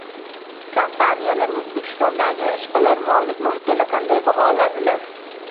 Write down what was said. Kompaniyalar O‘zbekistondagi ishbilarmonlik muhitini qanday baholadilar?